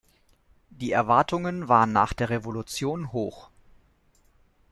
Die Erwartungen waren nach der Revolution hoch.